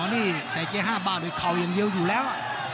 นี่ใจเกียร์๕บ้าด้วยเขายังเยอะอยู่แล้ว